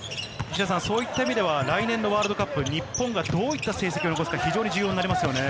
そういった意味では来年のワールドカップ、日本がどういった成績を残すか重要ですね。